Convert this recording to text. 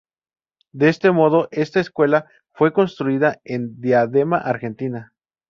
De este modo esta escuela fue construida en Diadema Argentina.